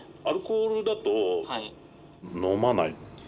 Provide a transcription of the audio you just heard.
アルコールだと飲まない。